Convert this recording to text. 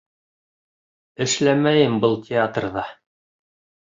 Эшләмәйем был театрҙа!